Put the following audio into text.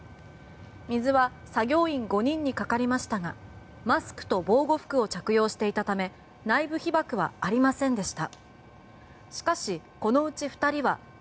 水は作業員５人にかかりましたがマスクと防護服を着用していたため内部被ばくはありませんでした。